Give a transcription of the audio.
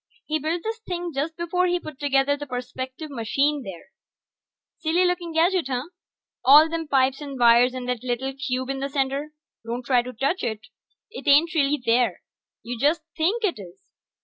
He built this thing just before he put together the perspective machine there. Silly looking gadget, huh? All them pipes and wires and that little cube in the center ... don't try to touch it, it ain't really there. You just think it is.